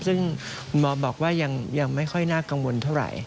ซึ่งหมอบอกว่ายังไม่ค่อยน่ากังวลเท่าไหร่